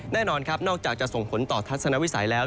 แน่นอนครับนอกจากจะส่งผลต่อทัศนวิสัยแล้ว